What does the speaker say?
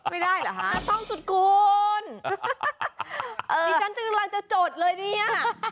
ไม่ได้เหรอฮะคุณหรอครับเผ้าสุดคูณพี่ฉันจะกำหนดทักโจทย์เลยเนี่ย